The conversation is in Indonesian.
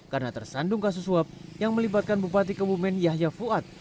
karena tersandung kasus suap yang melibatkan bupati kebumen yahya fuad